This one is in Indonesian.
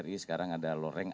loreng nkri sekarang ada loreng